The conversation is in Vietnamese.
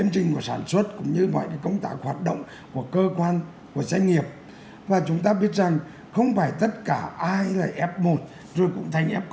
cơ quan của doanh nghiệp và chúng ta biết rằng không phải tất cả ai là f một rồi cũng thành f